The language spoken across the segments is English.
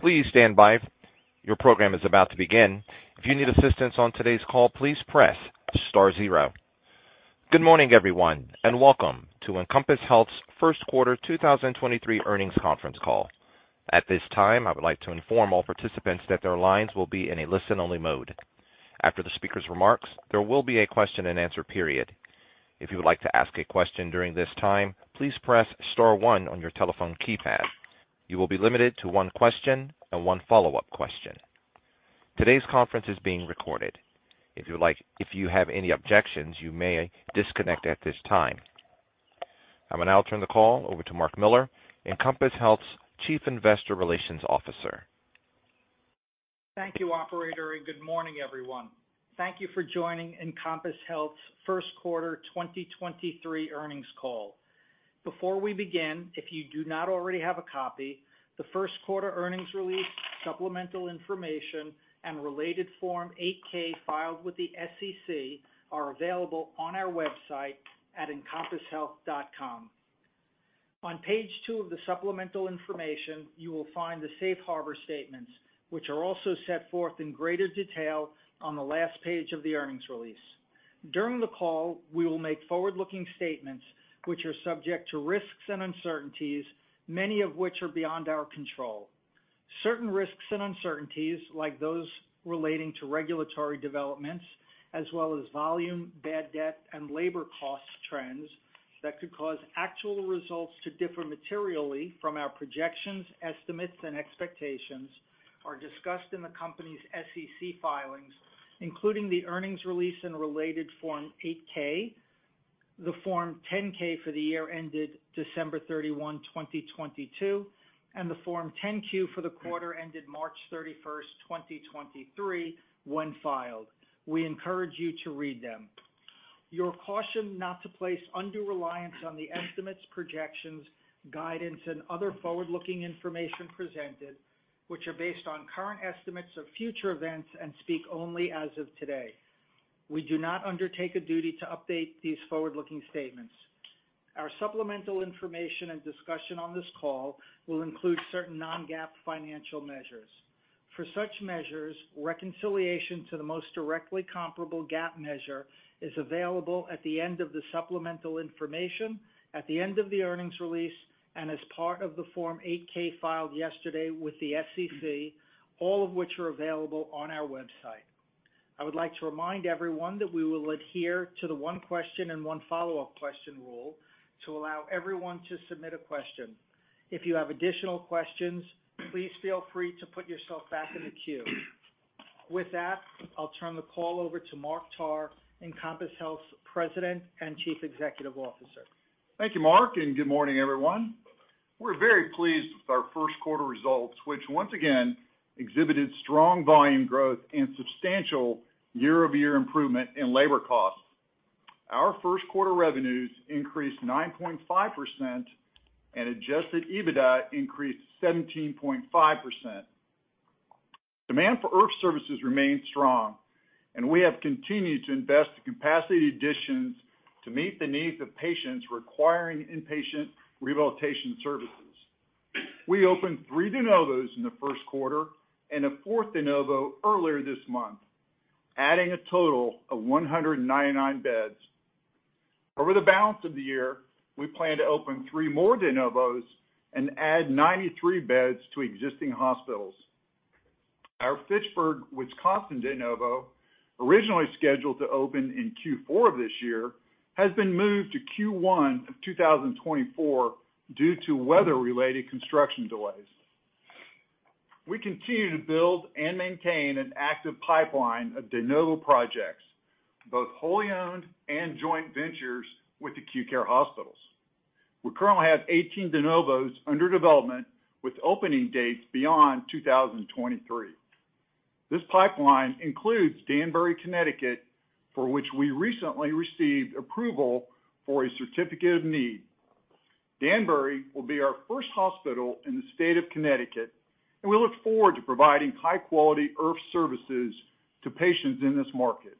Please stand by. Your program is about to begin. If you need assistance on today's call, please press star zero. Good morning, everyone, welcome to Encompass Health's first quarter 2023 earnings conference call. At this time, I would like to inform all participants that their lines will be in a listen-only mode. After the speaker's remarks, there will be a question-and-answer period. If you would like to ask a question during this time, please press star one on your telephone keypad. You will be limited to one question and one follow-up question. Today's conference is being recorded. If you have any objections, you may disconnect at this time. I'm gonna now turn the call over to Mark Miller, Encompass Health's Chief Investor Relations Officer. Thank you, operator. Good morning, everyone. Thank you for joining Encompass Health's first quarter 2023 earnings call. Before we begin, if you do not already have a copy, the first quarter earnings release, supplemental information, and related Form 8-K filed with the SEC are available on our website at encompasshealth.com. On page two of the supplemental information, you will find the safe harbor statements, which are also set forth in greater detail on the last page of the earnings release. During the call, we will make forward-looking statements which are subject to risks and uncertainties, many of which are beyond our control. Certain risks and uncertainties, like those relating to regulatory developments as well as volume, bad debt, and labor cost trends that could cause actual results to differ materially from our projections, estimates, and expectations are discussed in the company's SEC filings, including the earnings release in related Form 8-K, the Form 10-K for the year ended December 31, 2022, and the Form 10-Q for the quarter ended March 31st, 2023 when filed. We encourage you to read them. You're cautioned not to place undue reliance on the estimates, projections, guidance, and other forward-looking information presented, which are based on current estimates of future events and speak only as of today. We do not undertake a duty to update these forward-looking statements. Our supplemental information and discussion on this call will include certain non-GAAP financial measures. For such measures, reconciliation to the most directly comparable GAAP measure is available at the end of the supplemental information, at the end of the earnings release, and as part of the Form 8-K filed yesterday with the SEC, all of which are available on our website. I would like to remind everyone that we will adhere to the one question and one follow-up question rule to allow everyone to submit a question. If you have additional questions, please feel free to put yourself back in the queue. With that, I'll turn the call over to Mark Tarr, Encompass Health's President and Chief Executive Officer. Thank you, Mark. Good morning, everyone. We're very pleased with our first quarter results, which once again exhibited strong volume growth and substantial year-over-year improvement in labor costs. Our first quarter revenues increased 9.5%. Adjusted EBITDA increased 17.5%. Demand for IRF services remained strong. We have continued to invest in capacity additions to meet the needs of patients requiring inpatient rehabilitation services. We opened three de novos in the first quarter and a fourth de novo earlier this month, adding a total of 199 beds. Over the balance of the year, we plan to open three more de novos and add 93 beds to existing hospitals. Our Fitchburg, Wisconsin de novo, originally scheduled to open in Q4 of this year, has been moved to Q1 of 2024 due to weather-related construction delays. We continue to build and maintain an active pipeline of de novo projects, both wholly owned and joint ventures with acute care hospitals. We currently have 18 de novos under development with opening dates beyond 2023. This pipeline includes Danbury, Connecticut, for which we recently received approval for a certificate of need. Danbury will be our first hospital in the state of Connecticut, and we look forward to providing high-quality IRF services to patients in this market.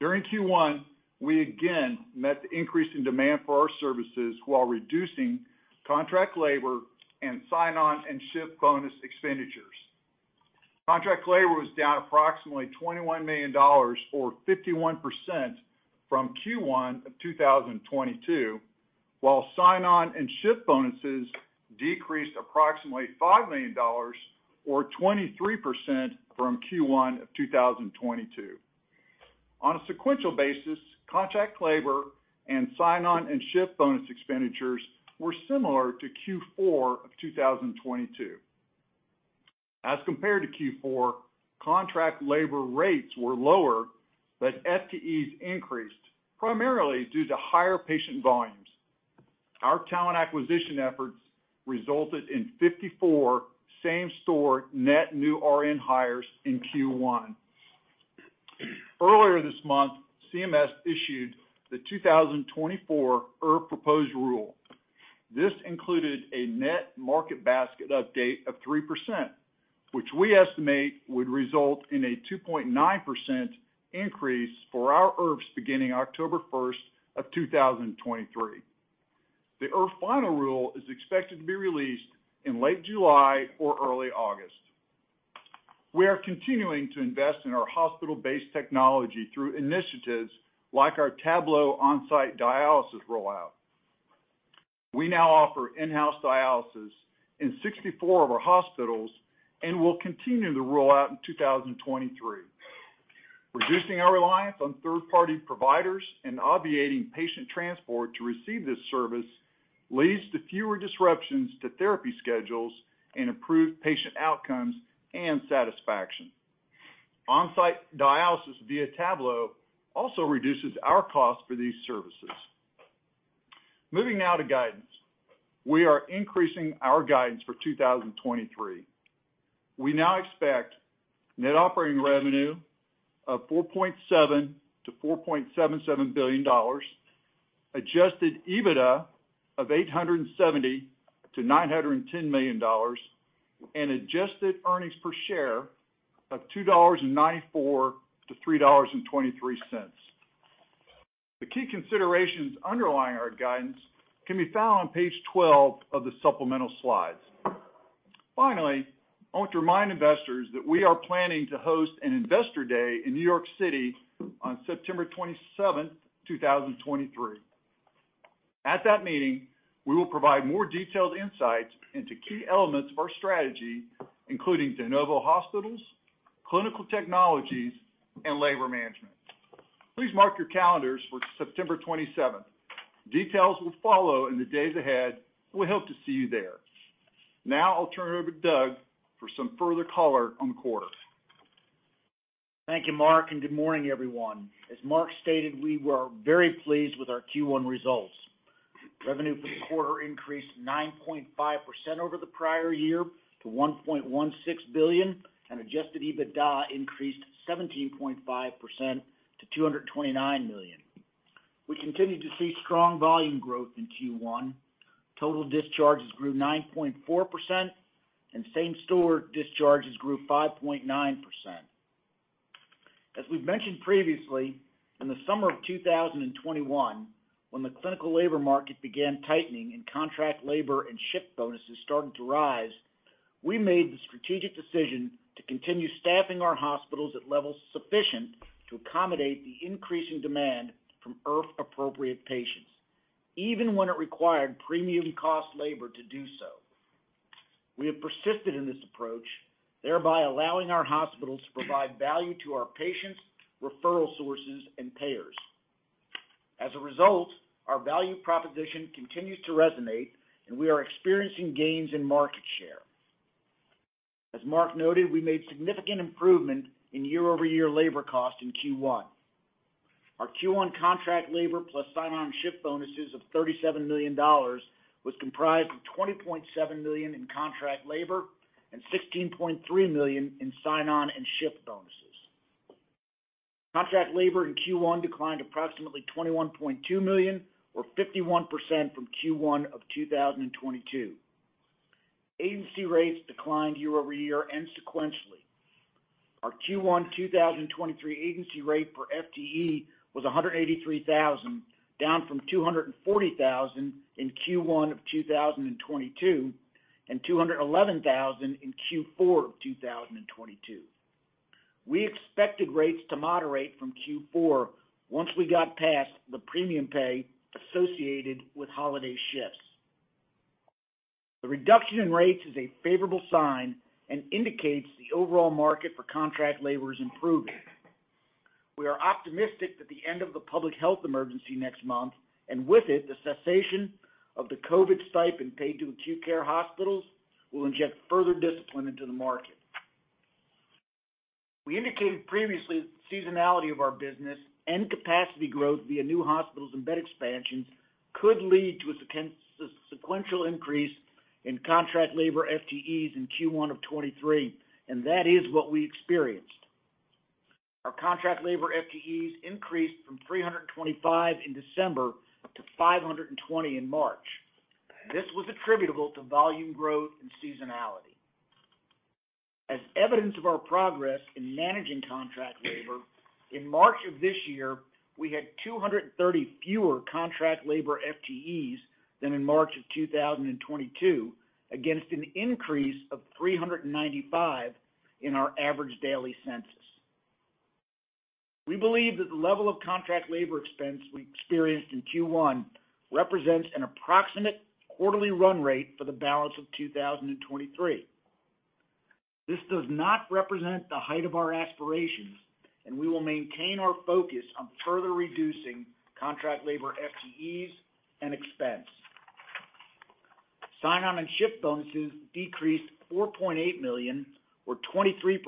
During Q1, we again met the increase in demand for our services while reducing contract labor and sign-on and shift bonus expenditures. Contract labor was down approximately $21 million or 51% from Q1 of 2022, while sign-on and shift bonuses decreased approximately $5 million or 23% from Q1 of 2022. On a sequential basis, contract labor and sign-on and shift bonus expenditures were similar to Q4 of 2022. Compared to Q4, contract labor rates were lower, but FTEs increased primarily due to higher patient volumes. Our talent acquisition efforts resulted in 54 same-store net new RN hires in Q1. Earlier this month, CMS issued the 2024 IRF proposed rule. This included a net market basket update of 3%. We estimate would result in a 2.9% increase for our IRFs beginning October 1st of 2023. The IRF final rule is expected to be released in late July or early August. We are continuing to invest in our hospital-based technology through initiatives like our Tablo onsite dialysis rollout. We now offer in-house dialysis in 64 of our hospitals, and we'll continue to roll out in 2023. Reducing our reliance on third-party providers and obviating patient transport to receive this service leads to fewer disruptions to therapy schedules and improved patient outcomes and satisfaction. Onsite dialysis via Tablo also reduces our cost for these services. Moving now to guidance. We are increasing our guidance for 2023. We now expect net operating revenue of $4.7 billion-$4.77 billion, Adjusted EBITDA of $870 million-$910 million, and adjusted earnings per share of $2.94-$3.23. The key considerations underlying our guidance can be found on page 12 of the supplemental slides. Finally, I want to remind investors that we are planning to host an investor day in New York City on September 27th, 2023. At that meeting, we will provide more detailed insights into key elements of our strategy, including de novo hospitals, clinical technologies, and labor management. Please mark your calendars for September 27. Details will follow in the days ahead, and we hope to see you there. Now I'll turn it over to Doug for some further color on the quarter. Thank you, Mark. Good morning, everyone. As Mark stated, we were very pleased with our Q1 results. Revenue for the quarter increased 9.5% over the prior year to $1.16 billion, and Adjusted EBITDA increased 17.5% to $229 million. We continued to see strong volume growth in Q1. Total discharges grew 9.4%, and same-store discharges grew 5.9%. As we've mentioned previously, in the summer of 2021, when the clinical labor market began tightening and contract labor and shift bonuses started to rise, we made the strategic decision to continue staffing our hospitals at levels sufficient to accommodate the increasing demand from IRF-appropriate patients, even when it required premium cost labor to do so. We have persisted in this approach, thereby allowing our hospitals to provide value to our patients, referral sources, and payers. As a result, our value proposition continues to resonate, and we are experiencing gains in market share. As Mark Tarr noted, we made significant improvement in year-over-year labor cost in Q1. Our Q1 contract labor plus sign-on shift bonuses of $37 million was comprised of $20.7 million in contract labor and $16.3 million in sign-on and shift bonuses. Contract labor in Q1 declined approximately $21.2 million or 51% from Q1 of 2022. Agency rates declined year-over-year and sequentially. Our Q1 2023 agency rate per FTE was $183,000, down from $240,000 in Q1 2022 and $211,000 in Q4 2022. We expected rates to moderate from Q4 once we got past the premium pay associated with holiday shifts. The reduction in rates is a favorable sign and indicates the overall market for contract labor is improving. We are optimistic that the end of the public health emergency next month, and with it the cessation of the COVID stipend paid to acute care hospitals, will inject further discipline into the market. We indicated previously that the seasonality of our business and capacity growth via new hospitals and bed expansions could lead to a sequential increase in contract labor FTEs in Q1 of 2023, and that is what we experienced. Our contract labor FTEs increased from 325 in December to 520 in March. This was attributable to volume growth and seasonality. As evidence of our progress in managing contract labor, in March of this year, we had 230 fewer contract labor FTEs than in March of 2022 against an increase of 395 in our average daily census. We believe that the level of contract labor expense we experienced in Q1 represents an approximate quarterly run rate for the balance of 2023. This does not represent the height of our aspirations, and we will maintain our focus on further reducing contract labor FTEs and expense. Sign-on and shift bonuses decreased $4.8 million or 23%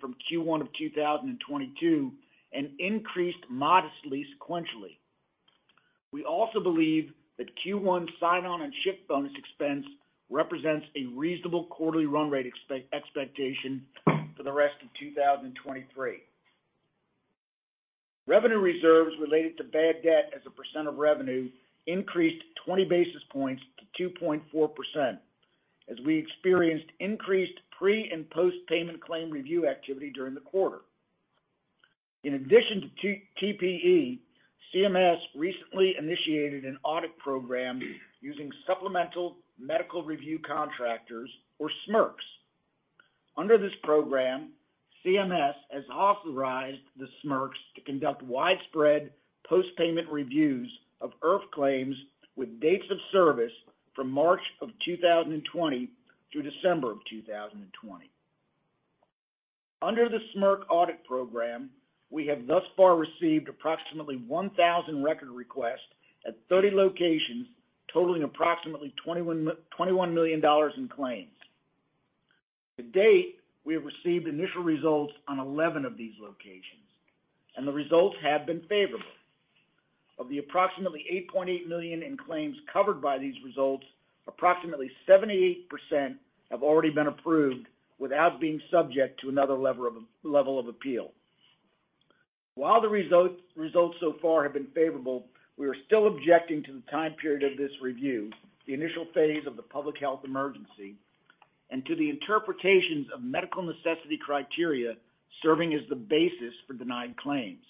from Q1 of 2022 and increased modestly sequentially. We also believe that Q1 sign-on and shift bonus expense represents a reasonable quarterly run rate expectation for the rest of 2023. Revenue reserves related to bad debt as a percent of revenue increased 20 basis points to 2.4%, as we experienced increased pre- and post-payment claim review activity during the quarter. In addition to TPE, CMS recently initiated an audit program using Supplemental Medical Review Contractors, or SMRCs. Under this program, CMS has authorized the SMRCs to conduct widespread post-payment reviews of IRF claims with dates of service from March of 2020 through December of 2020. Under the SMRCs audit program, we have thus far received approximately 1,000 record requests at 30 locations, totaling approximately $21 million in claims. To date, we have received initial results on 11 of these locations, and the results have been favorable. Of the approximately $8.8 million in claims covered by these results, approximately 78% have already been approved without being subject to another level of appeal. While the results so far have been favorable, we are still objecting to the time period of this review, the initial phase of the public health emergency, and to the interpretations of medical necessity criteria serving as the basis for denied claims.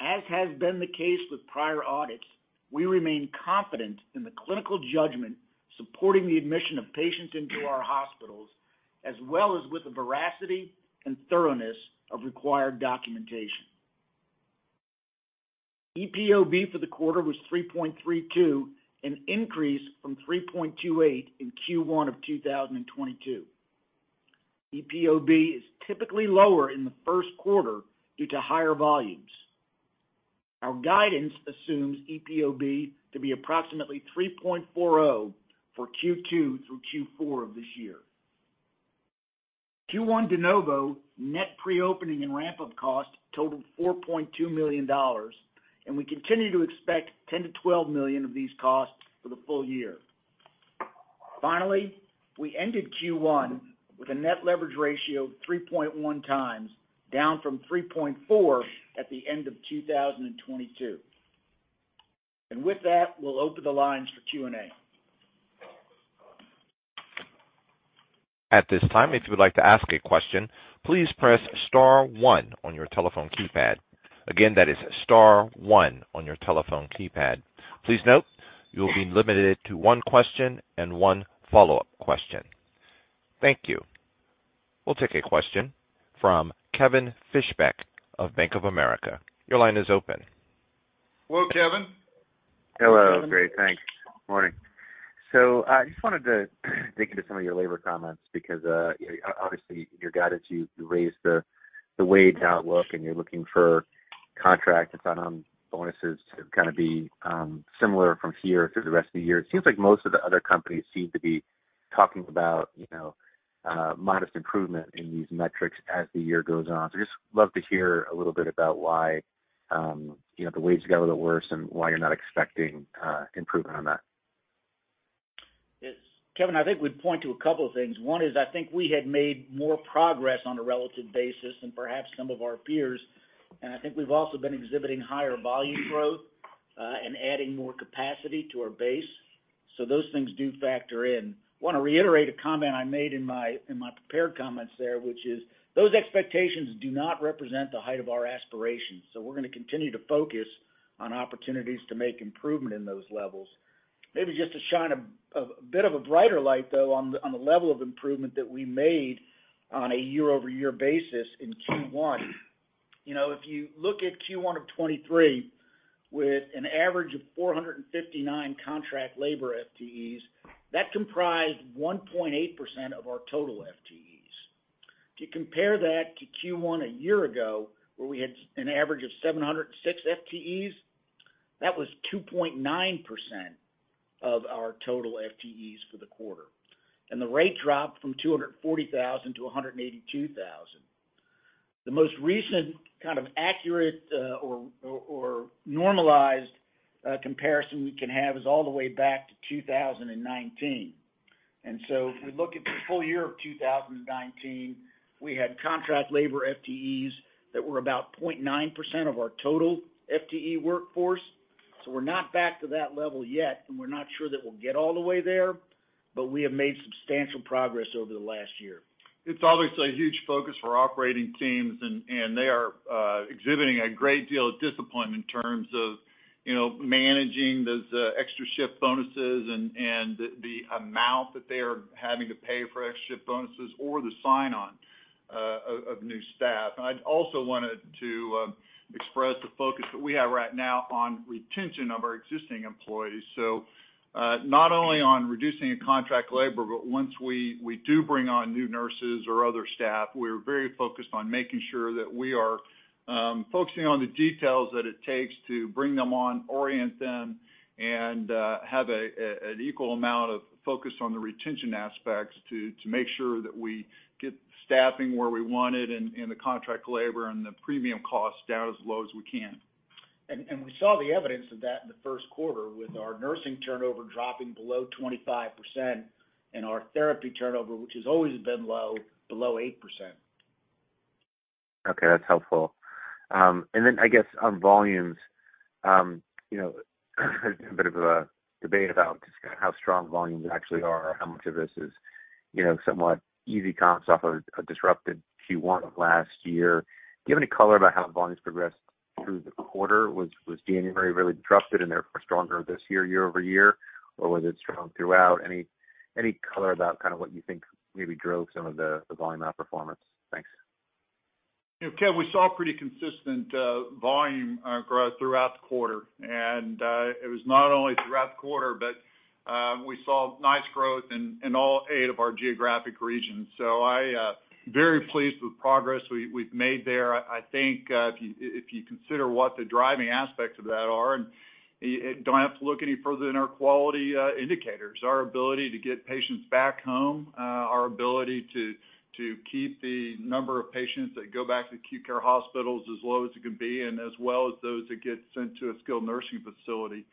As has been the case with prior audits, we remain confident in the clinical judgment supporting the admission of patients into our hospitals, as well as with the veracity and thoroughness of required documentation. EPOB for the quarter was 3.32, an increase from 3.28 in Q1 of 2022. EPOB is typically lower in the first quarter due to higher volumes. Our guidance assumes EPOB to be approximately 3.40 for Q2 through Q4 of this year. Q1 de novo net pre-opening and ramp-up costs totaled $4.2 million, we continue to expect $10 million-$12 million of these costs for the full year. Finally, we ended Q1 with a net leverage ratio of 3.1x, down from 3.4 at the end of 2022. With that, we'll open the lines for Q&A. At this time, if you would like to ask a question, please press star one on your telephone keypad. Again, that is star one on your telephone keypad. Please note, you will be limited to one question and one follow-up question. Thank you. We'll take a question from Kevin Fischbeck of Bank of America. Your line is open. Hello, Kevin. Hello. Great. Thanks. Morning. I just wanted to dig into some of your labor comments because, obviously your guidance, you raised the wage outlook, and you're looking for contract and sign-on bonuses to kind of be similar from here through the rest of the year. It seems like most of the other companies seem to be talking about, you know, modest improvement in these metrics as the year goes on. I'd just love to hear a little bit about why, you know, the wage gap got worse and why you're not expecting improvement on that? Yes. Kevin, I think we'd point to a couple of things. One is, I think we had made more progress on a relative basis than perhaps some of our peers, and I think we've also been exhibiting higher volume growth, and adding more capacity to our base. Those things do factor in. Wanna reiterate a comment I made in my prepared comments there, which is those expectations do not represent the height of our aspirations. We're gonna continue to focus on opportunities to make improvement in those levels. Maybe just to shine a bit of a brighter light, though, on the level of improvement that we made on a year-over-year basis in Q1. You know, if you look at Q1 of 2023 with an average of 459 contract labor FTEs, that comprised 1.8% of our total FTEs. To compare that to Q1 a year ago, where we had an average of 706 FTEs, that was 2.9% of our total FTEs for the quarter. The rate dropped from $240,000 to $182,000. The most recent kind of accurate or normalized comparison we can have is all the way back to 2019. If we look at the full year of 2019, we had contract labor FTEs that were about 0.9% of our total FTE workforce. We're not back to that level yet, and we're not sure that we'll get all the way there, but we have made substantial progress over the last year. It's obviously a huge focus for operating teams and they are exhibiting a great deal of discipline in terms of, you know, managing those extra shift bonuses and the amount that they are having to pay for extra shift bonuses or the sign-on of new staff. I'd also wanted to express the focus that we have right now on retention of our existing employees. Not only on reducing contract labor, but once we do bring on new nurses or other staff, we're very focused on making sure that we are focusing on the details that it takes to bring them on, orient them, and have an equal amount of focus on the retention aspects to make sure that we get staffing where we want it and the contract labor and the premium costs down as low as we can. We saw the evidence of that in the first quarter with our nursing turnover dropping below 25% and our therapy turnover, which has always been low, below 8%. Okay, that's helpful. I guess on volumes, you know, a bit of a debate about just kinda how strong volumes actually are or how much of this is, you know, somewhat easy comps off of a disrupted Q1 of last year. Do you have any color about how volumes progressed through the quarter? Was January really trusted and therefore stronger this year-over-year? Or was it strong throughout? Any color about kind of what you think maybe drove some of the volume outperformance? Thanks. You know, Kev, we saw pretty consistent volume growth throughout the quarter. It was not only throughout the quarter, but we saw nice growth in all eight of our geographic regions. I, very pleased with progress we've made there. I think, if you consider what the driving aspects of that are, and you don't have to look any further than our quality indicators, our ability to get patients back home, our ability to keep the number of patients that go back to acute care hospitals as low as it can be and as well as those that get sent to a skilled nursing facility.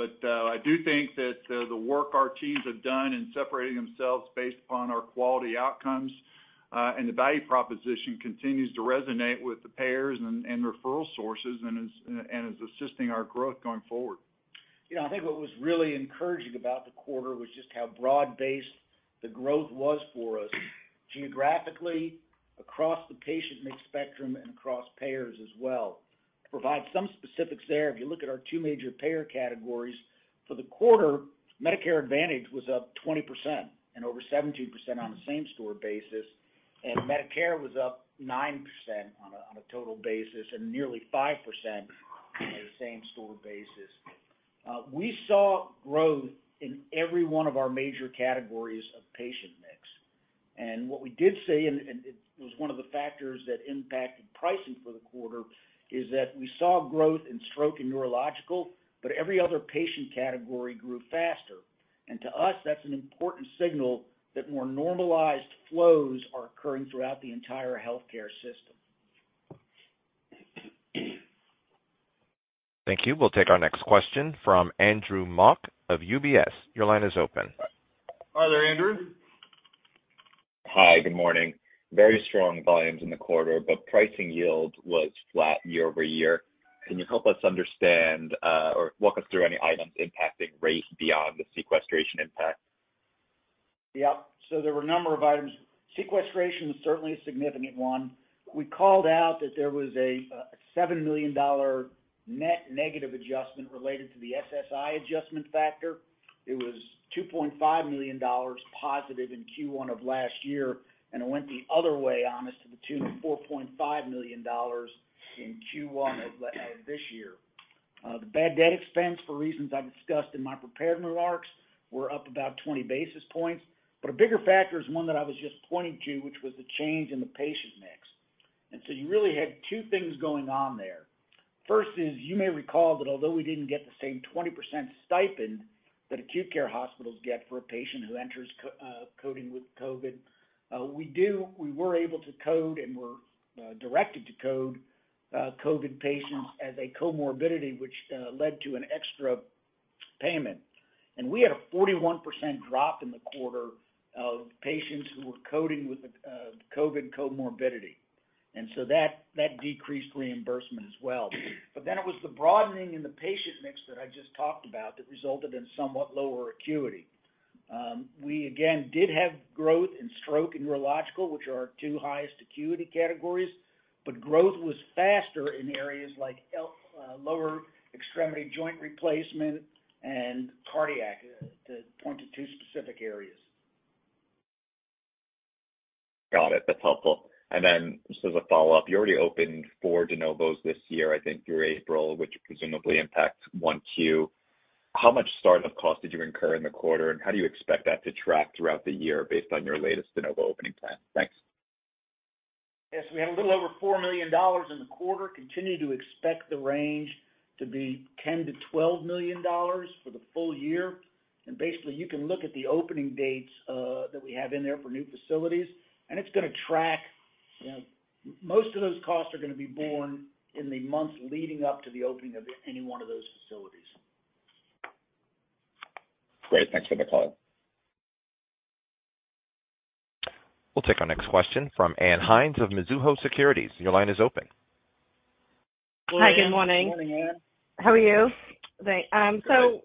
I do think that the work our teams have done in separating themselves based upon our quality outcomes, and the value proposition continues to resonate with the payers and referral sources and is assisting our growth going forward. You know, I think what was really encouraging about the quarter was just how broad-based the growth was for us geographically across the patient mix spectrum and across payers as well. To provide some specifics there, if you look at our two major payer categories, for the quarter, Medicare Advantage was up 20% and over 17% on the same store basis, and Medicare was up 9% on a total basis and nearly 5% on a same store basis. We saw growth in every 1 of our major categories of patient mix. What we did see, and it was 1 of the factors that impacted pricing for the quarter, is that we saw growth in stroke and neurological, but every other patient category grew faster. To us, that's an important signal that more normalized flows are occurring throughout the entire healthcare system. Thank you. We'll take our next question from Andrew Mok of UBS. Your line is open. Hi there, Andrew. Hi. Good morning. Very strong volumes in the quarter. Pricing yield was flat year-over-year. Can you help us understand, or walk us through any items impacting rate beyond the sequestration impact? There were a number of items. sequestration was certainly a significant one. We called out that there was a $7 million net negative adjustment related to the SSI adjustment factor. It was $2.5 million positive in Q1 of last year, and it went the other way on us to the tune of $4.5 million in Q1 of this year. The bad debt expense, for reasons I discussed in my prepared remarks, were up about 20 basis points. A bigger factor is one that I was just pointing to, which was the change in the patient mix. You really had two things going on there. You may recall that although we didn't get the same 20% stipend that acute care hospitals get for a patient who enters coding with COVID, we were able to code and were directed to code COVID patients as a comorbidity, which led to an extra payment. We had a 41% drop in the quarter of patients who were coding with the COVID comorbidity. That decreased reimbursement as well. It was the broadening in the patient mix that I just talked about that resulted in somewhat lower acuity. We again, did have growth in stroke and neurological, which are our two highest acuity categories, but growth was faster in areas like lower extremity joint replacement and cardiac, to point to two specific areas. Got it. That's helpful. Just as a follow-up, you already opened four de novos this year, I think through April, which presumably impacts 1Q. How much start-up cost did you incur in the quarter? And how do you expect that to track throughout the year based on your latest de novo opening plan? Thanks. Yes, we had a little over $4 million in the quarter, continue to expect the range to be $10 million-$12 million for the full year. Basically, you can look at the opening dates that we have in there for new facilities, and it's gonna track, you know, most of those costs are gonna be born in the months leading up to the opening of any one of those facilities. Great. Thanks for the color. We'll take our next question from Ann Hynes of Mizuho Securities. Your line is open. Good morning, Ann. Hi, good morning. How are you? Great.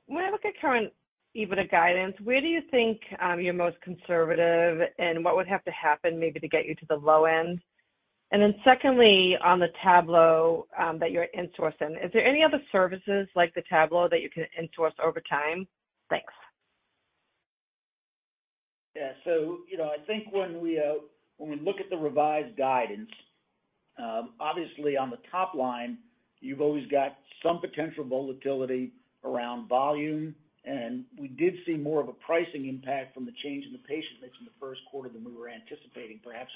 When I look at current EBITDA guidance, where do you think, you're most conservative, and what would have to happen maybe to get you to the low end? Then secondly, on the Tablo, that you're insourcing, is there any other services like the Tablo that you can insource over time? Thanks. Yeah. You know, I think when we look at the revised guidance, obviously on the top line, you've always got some potential volatility around volume. We did see more of a pricing impact from the change in the patient mix in the first quarter than we were anticipating. Perhaps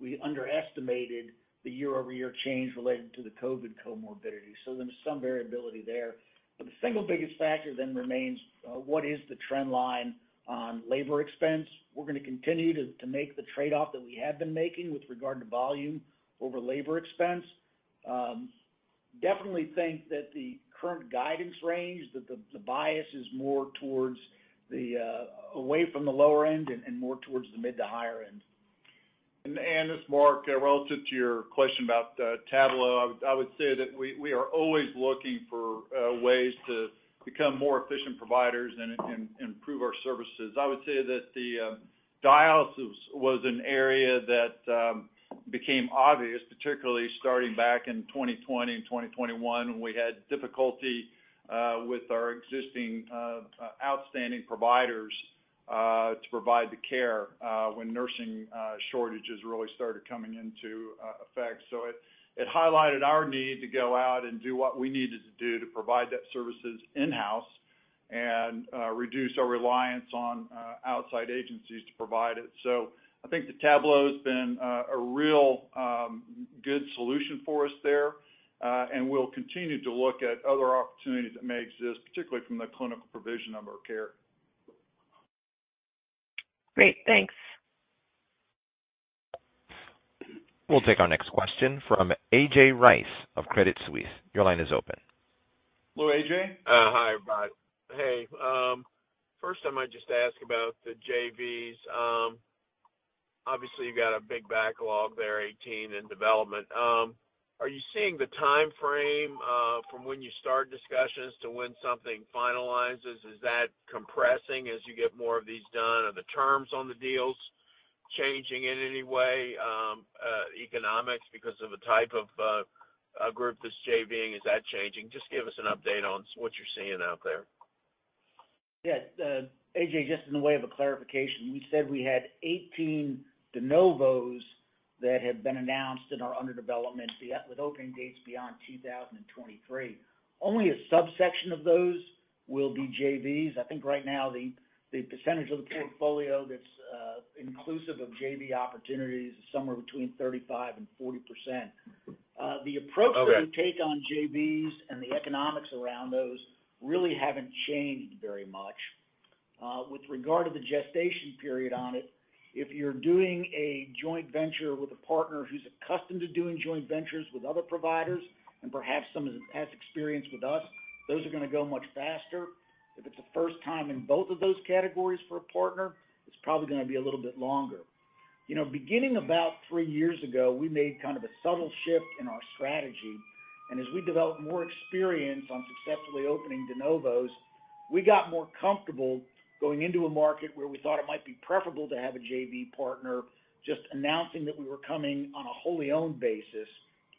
we underestimated the year-over-year change related to the COVID comorbidity. There's some variability there. The single biggest factor then remains what is the trend line on labor expense. We're gonna continue to make the trade-off that we have been making with regard to volume over labor expense. Definitely think that the current guidance range, that the bias is more towards the away from the lower end and more towards the mid to higher end. Ann, this is Mark. Relative to your question about Tablo, I would say that we are always looking for ways to become more efficient providers and improve our services. I would say that the dialysis was an area that became obvious, particularly starting back in 2020 and 2021 when we had difficulty with our existing outstanding providers to provide the care when nursing shortages really started coming into effect. It highlighted our need to go out and do what we needed to do to provide that services in-house and reduce our reliance on outside agencies to provide it. I think the Tablo's been a real good solution for us there. We'll continue to look at other opportunities that may exist, particularly from the clinical provision of our care. Great. Thanks. We'll take our next question from A.J. Rice of Credit Suisse. Your line is open. Hello, A.J. Hi, everybody. Hey, first, I might just ask about the JVs. Obviously, you've got a big backlog there, 18 in development. Are you seeing the timeframe, from when you start discussions to when something finalizes? Is that compressing as you get more of these done? Are the terms on the deals changing in any way, economics because of the type of, a group that's JV-ing? Is that changing? Just give us an update on what you're seeing out there. Yeah. A.J., just in the way of a clarification, we said we had 18 de novos that have been announced and are under development with opening dates beyond 2023. Only a subsection of those will be JVs. I think right now, the percentage of the portfolio that's inclusive of JV opportunities is somewhere between 35% and 40%. Okay. -that we take on JVs and the economics around those really haven't changed very much. With regard to the gestation period on it, if you're doing a joint venture with a partner who's accustomed to doing joint ventures with other providers and perhaps some of them has experience with us, those are gonna go much faster. If it's a first time in both of those categories for a partner, it's probably gonna be a little bit longer. You know, beginning about three years ago, we made kind of a subtle shift in our strategy. As we developed more experience on successfully opening de novos, we got more comfortable going into a market where we thought it might be preferable to have a JV partner just announcing that we were coming on a wholly owned basis,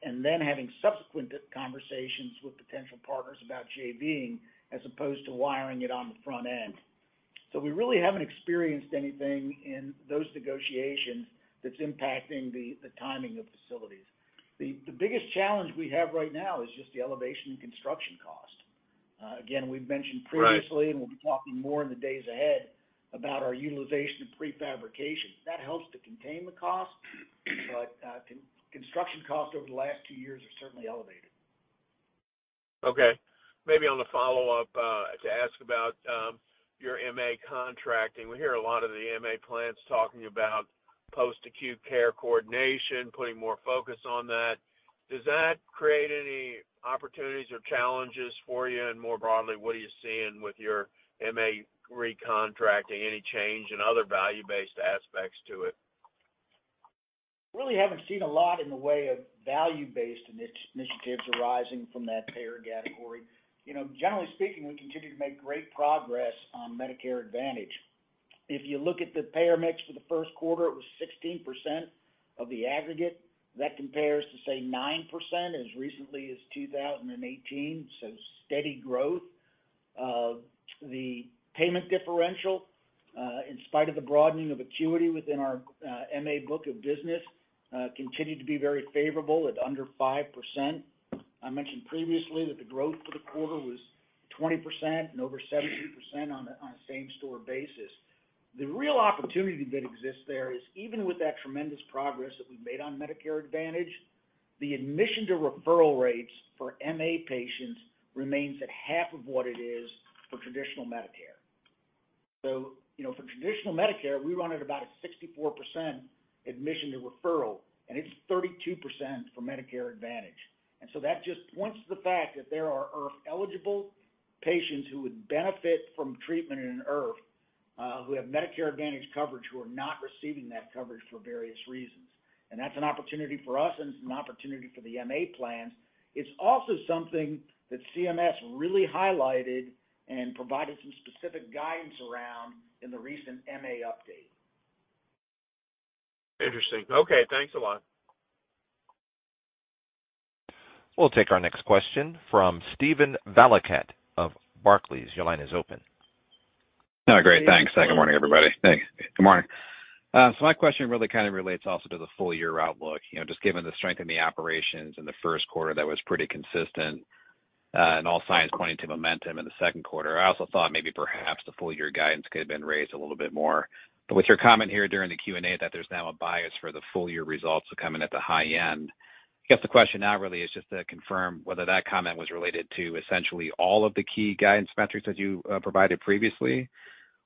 and then having subsequent conversations with potential partners about JV-ing as opposed to wiring it on the front end. We really haven't experienced anything in those negotiations that's impacting the timing of facilities. The biggest challenge we have right now is just the elevation in construction cost. Again, we've mentioned previously- Right. We'll be talking more in the days ahead about our utilization of prefabrication. That helps to contain the cost, but, construction costs over the last 2 years are certainly elevated. Okay. Maybe on the follow-up, to ask about your MA contracting. We hear a lot of the MA plans talking about post-acute care coordination, putting more focus on that. Does that create any opportunities or challenges for you? More broadly, what are you seeing with your MA recontracting? Any change in other value-based aspects to it? Really haven't seen a lot in the way of value-based initiatives arising from that payer category. You know, generally speaking, we continue to make great progress on Medicare Advantage. If you look at the payer mix for the first quarter, it was 16% of the aggregate. That compares to, say, 9% as recently as 2018, so steady growth. The payment differential, in spite of the broadening of acuity within our MA book of business, continued to be very favorable at under 5%. I mentioned previously that the growth for the quarter was 20% and over 17% on a same-store basis. The real opportunity that exists there is even with that tremendous progress that we've made on Medicare Advantage, the admission to referral rates for MA patients remains at half of what it is for traditional Medicare. You know, for traditional Medicare, we run at about a 64% admission to referral, and it's 32% for Medicare Advantage. That just points to the fact that there are IRF-eligible patients who would benefit from treatment in an IRF, who have Medicare Advantage coverage, who are not receiving that coverage for various reasons. That's an opportunity for us and it's an opportunity for the MA plans. It's also something that CMS really highlighted and provided some specific guidance around in the recent MA update. Interesting. Okay, thanks a lot. We'll take our next question from Steven Valiquette of Barclays. Your line is open. Great. Thanks. Good morning, everybody. Thanks. Good morning. My question really kind of relates also to the full year outlook. You know, just given the strength in the operations in the first quarter, that was pretty consistent, and all signs pointing to momentum in the second quarter. I also thought maybe perhaps the full year guidance could have been raised a little bit more. With your comment here during the Q&A that there's now a bias for the full year results to come in at the high end, I guess the question now really is just to confirm whether that comment was related to essentially all of the key guidance metrics that you provided previously?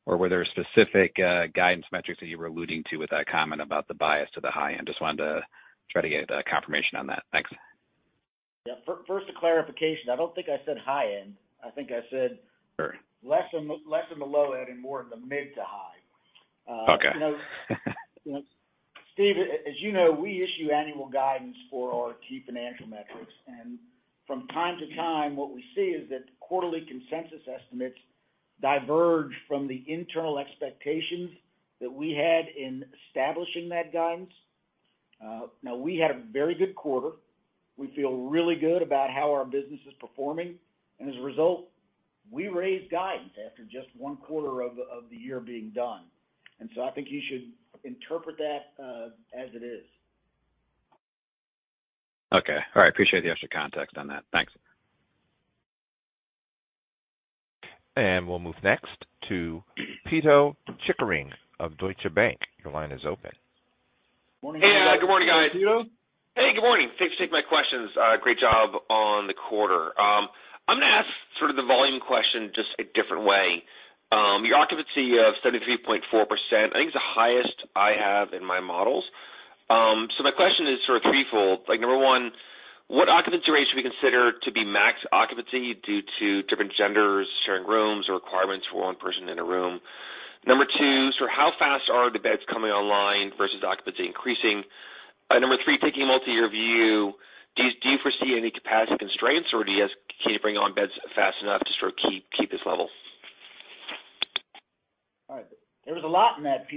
Were there specific guidance metrics that you were alluding to with that comment about the bias to the high end? Just wanted to try to get a confirmation on that. Thanks. Yeah. First, a clarification. I don't think I said high end. I think I said- Sure less on the low end and more in the mid to high. Okay. You know, Steve, as you know, we issue annual guidance for our key financial metrics. From time to time, what we see is that quarterly consensus estimates diverge from the internal expectations that we had in establishing that guidance. Now we had a very good quarter. We feel really good about how our business is performing. As a result, we raised guidance after just one quarter of the year being done. I think you should interpret that as it is. Okay. All right. Appreciate the extra context on that. Thanks. We'll move next to Pito Chickering of Deutsche Bank. Your line is open. Morning, Pito. Yeah. Good morning, guys. Hey, Pito. Hey, good morning. Thanks for taking my questions. great job on the quarter. I'm gonna ask sort of the volume question just a different way. Your occupancy of 73.4%, I think is the highest I have in my models. My question is sort of threefold. Like, Number one, what occupancy rate should we consider to be max occupancy due to different genders sharing rooms or requirements for one person in a room? Number two, How fast are the beds coming online versus occupancy increasing? Number three, taking a multi-year view, do you, do you foresee any capacity constraints, or can you bring on beds fast enough to sort of keep this level? All right. There was a lot in that,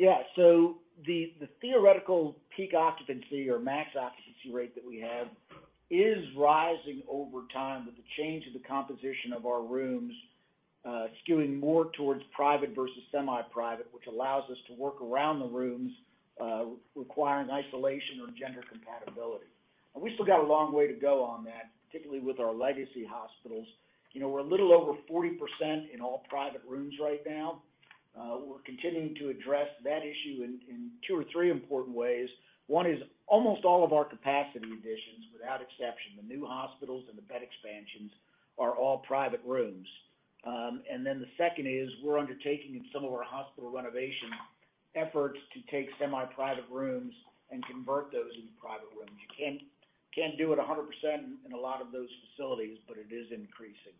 Pito. The theoretical peak occupancy or max occupancy rate that we have is rising over time with the change of the composition of our rooms, skewing more towards private versus semi-private, which allows us to work around the rooms, requiring isolation or gender compatibility. We still got a long way to go on that, particularly with our legacy hospitals. You know, we're a little over 40% in all private rooms right now. We're continuing to address that issue in 2 or 3 important ways. One is almost all of our capacity additions, without exception, the new hospitals and the bed expansions are all private rooms. The second is we're undertaking in some of our hospital renovation efforts to take semi-private rooms and convert those into private rooms. You can't do it 100% in a lot of those facilities, but it is increasing.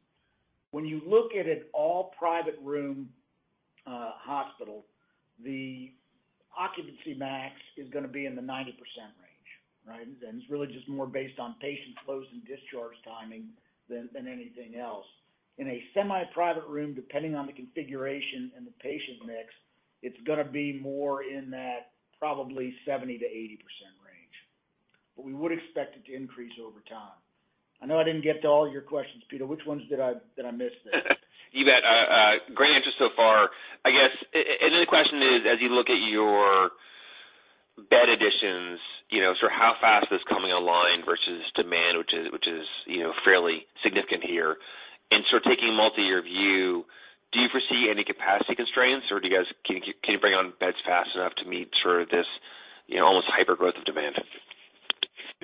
When you look at an all private room hospital, the occupancy max is gonna be in the 90% range, right? It's really just more based on patient close and discharge timing than anything else. In a semi-private room, depending on the configuration and the patient mix, it's gonna be more in that probably 70%-80% range. We would expect it to increase over time. I know I didn't get to all your questions, Pito. Which ones did I miss there? You bet. Great answers so far. I guess and the question is, as you look at your bed additions, you know, sort of how fast is this coming online versus demand, which is, you know, fairly significant here. Taking a multi-year view, do you foresee any capacity constraints, or can you bring on beds fast enough to meet sort of this, you know, almost hyper growth of demand? You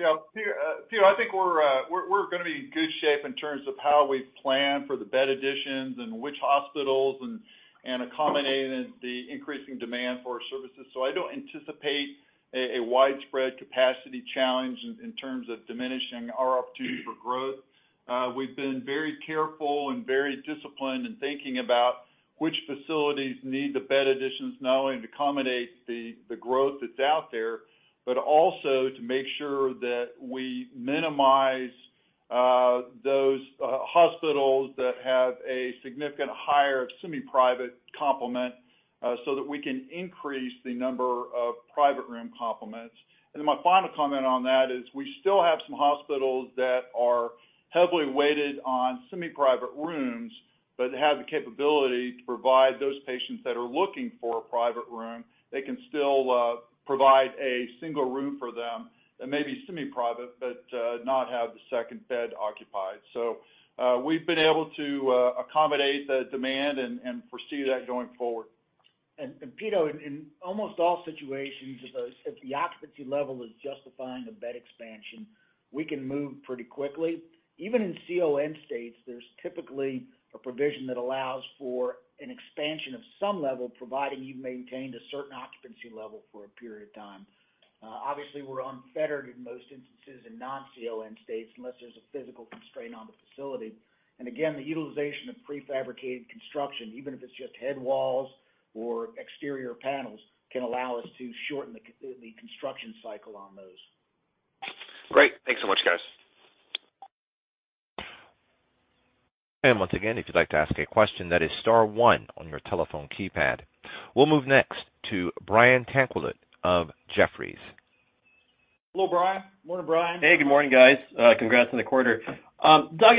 know, Pito, I think we're gonna be in good shape in terms of how we plan for the bed additions and which hospitals and accommodating the increasing demand for our services. I don't anticipate a widespread capacity challenge in terms of diminishing our opportunity for growth. We've been very careful and very disciplined in thinking about which facilities need the bed additions, not only to accommodate the growth that's out there, but also to make sure that we minimize those hospitals that have a significant higher semi-private complement so that we can increase the number of private room complements. My final comment on that is we still have some hospitals that are heavily weighted on semi-private rooms, but have the capability to provide those patients that are looking for a private room, they can still provide a single room for them that may be semi-private, but not have the second bed occupied. We've been able to accommodate the demand and foresee that going forward. Pito, in almost all situations, if the occupancy level is justifying a bed expansion, we can move pretty quickly. Even in CON states, there's typically a provision that allows for an expansion of some level, providing you've maintained a certain occupancy level for a period of time. Obviously, we're unfettered in most instances in non-CON states, unless there's a physical constraint on the facility. Again, the utilization of prefabricated construction, even if it's just head walls or exterior panels, can allow us to shorten the construction cycle on those. Great. Thanks so much, guys. Once again, if you'd like to ask a question, that is star one on your telephone keypad. We'll move next to Brian Tanquilut of Jefferies. Hello, Brian. Morning, Brian. Hey, good morning, guys. Congrats on the quarter. Doug,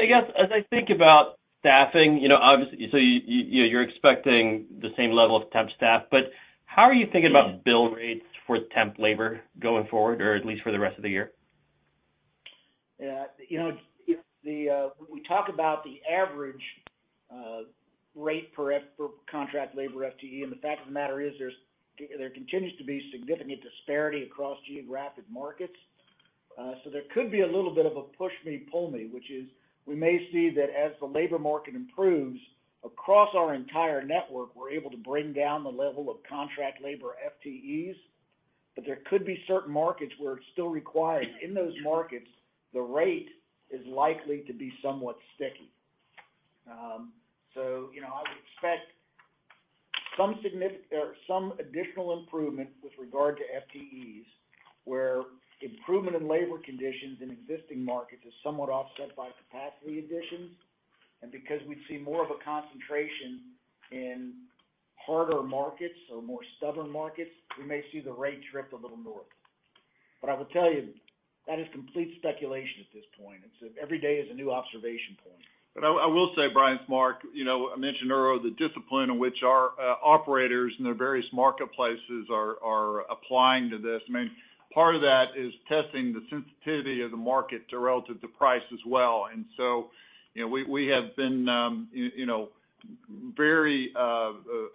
I guess, as I think about staffing, you know, obviously, so you're expecting the same level of temp staff, but how are you thinking about bill rates for temp labor going forward or at least for the rest of the year? Yeah. You know, we talk about the average rate per contract labor FTE, the fact of the matter is there continues to be significant disparity across geographic markets. There could be a little bit of a push me, pull me, which is we may see that as the labor market improves across our entire network, we're able to bring down the level of contract labor FTEs, but there could be certain markets where it's still required. In those markets, the rate is likely to be somewhat sticky. You know, I would expect some additional improvement with regard to FTEs, where improvement in labor conditions in existing markets is somewhat offset by capacity additions. Because we'd see more of a concentration in harder markets or more stubborn markets, we may see the rate drift a little north. I will tell you that is complete speculation at this point. Every day is a new observation point. I will say, Brian, Mark, you know, I mentioned earlier the discipline in which our operators in their various marketplaces are applying to this. I mean, part of that is testing the sensitivity of the market to relative to price as well. You know, we have been, you know, very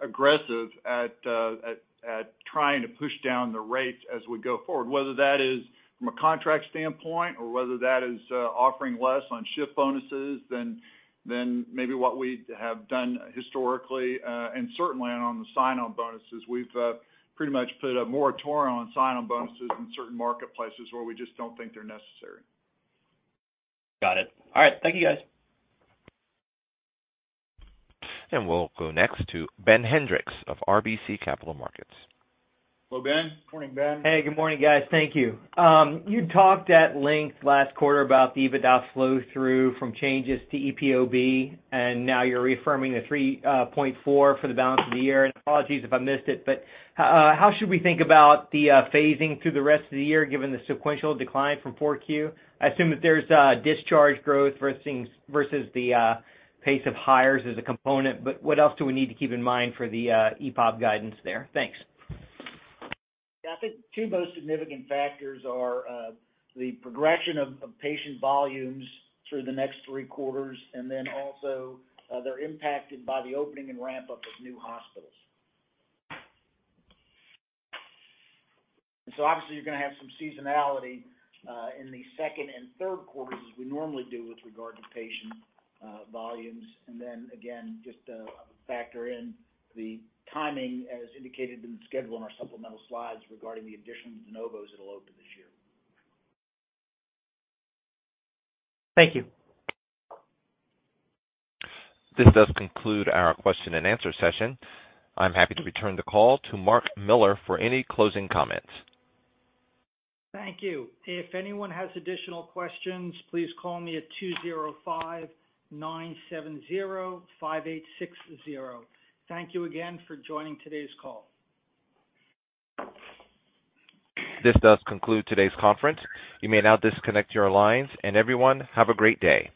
aggressive at trying to push down the rates as we go forward, whether that is from a contract standpoint or whether that is offering less on shift bonuses than maybe what we have done historically, and certainly on the sign-on bonuses. We've pretty much put a moratorium on sign-on bonuses in certain marketplaces where we just don't think they're necessary. Got it. All right. Thank you guys. We'll go next to Ben Hendrix of RBC Capital Markets. Hello, Ben. Morning, Ben. Hey, good morning, guys. Thank you. You talked at length last quarter about the EBITDA flow through from changes to EPOB. Now you're reaffirming the 3.4 for the balance of the year. Apologies if I missed it, but how should we think about the phasing through the rest of the year given the sequential decline from 4Q? I assume that there's discharge growth versus the pace of hires as a component, but what else do we need to keep in mind for the EPOB guidance there? Thanks. Yeah, I think two most significant factors are the progression of patient volumes through the next three quarters, and then also, they're impacted by the opening and ramp-up of new hospitals. Obviously, you're gonna have some seasonality in the second and third quarters as we normally do with regard to patient volumes. Again, just factor in the timing as indicated in the schedule in our supplemental slides regarding the addition of de novos that'll open this year. Thank you. This does conclude our question and answer session. I'm happy to return the call to Mark Miller for any closing comments. Thank you. If anyone has additional questions, please call me at 205-970-5860. Thank you again for joining today's call. This does conclude today's conference. You may now disconnect your lines and everyone, have a great day.